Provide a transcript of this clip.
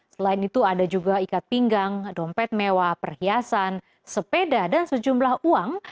selain itu ada juga ikat pinggang dompet mewah perhiasan sepeda dan sejumlah uang